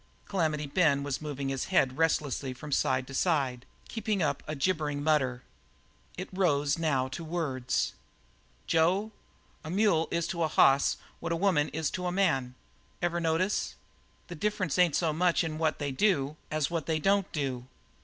Calamity Ben was moving his head restlessly from side to side, keeping up a gibbering mutter. It rose now to words. "Joe, a mule is to a hoss what a woman is to a man. Ever notice? The difference ain't so much in what they do as what they don't do.